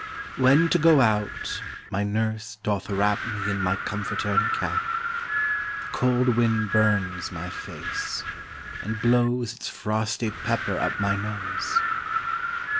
When to go out, my nurse doth wrap Me in my comforter and cap; The cold wind burns my face, and blows Its frosty pepper up my nose.